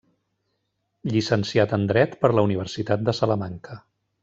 Llicenciat en dret per la Universitat de Salamanca.